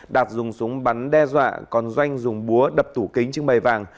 đạt dùng súng bắn đe dọa còn doanh dùng búa đập tủ kính trưng bày vàng